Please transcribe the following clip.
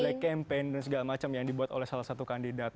black campaign dan segala macam yang dibuat oleh salah satu kandidat